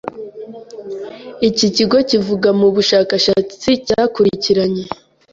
Iki kigo kivuga mu bushakashatsi cyakurikiranye